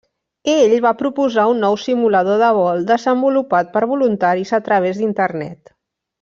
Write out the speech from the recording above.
Ell va proposar un nou simulador de vol desenvolupat per voluntaris a través d'Internet.